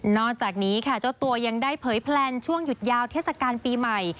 จากนี้ค่ะเจ้าตัวยังได้เผยแพลนช่วงหยุดยาวเทศกาลปีใหม่